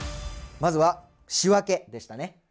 まずは仕分けでしたね。